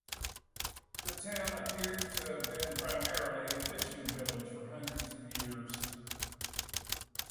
The town appears to have been primarily a fishing village for hundreds of years.